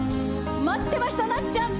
待ってましたなっちゃん。